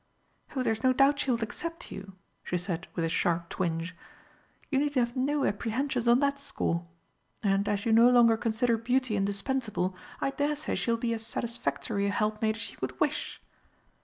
"Oh, there's no doubt she will accept you," she said, with a sharp twinge. "You need have no apprehensions on that score. And, as you no longer consider beauty indispensable, I daresay she will be as satisfactory a helpmate as you could wish."